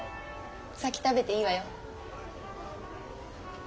先食べていいわよ。